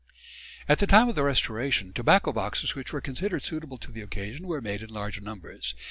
'" At the time of the Restoration tobacco boxes which were considered suitable to the occasion were made in large numbers.